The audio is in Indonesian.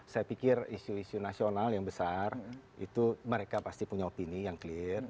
saya pikir isu isu nasional yang besar itu mereka pasti punya opini yang clear